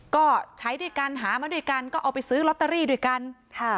ก็ใช้ด้วยกันหามาด้วยกันก็เอาไปซื้อลอตเตอรี่ด้วยกันค่ะ